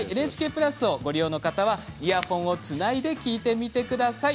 ＮＨＫプラスをご利用の方はイヤホンをつないで聞いてみてください。